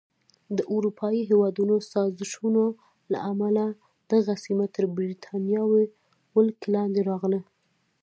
د اروپایي هېوادونو سازشونو له امله دغه سیمه تر بریتانوي ولکې لاندې راغله.